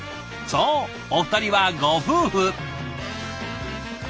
そうお二人はご夫婦。